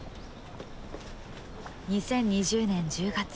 ２０２０年１０月。